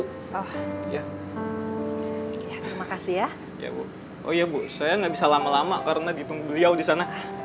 terima kasih ya bu oh iya bu saya nggak bisa lama lama karena ditunggu beliau di sana